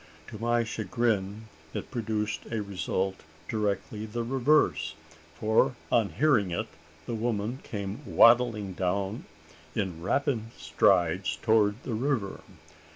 To my chagrin, it produced a result directly the reverse; for, on hearing it, the woman came waddling down in rapid strides towards the river.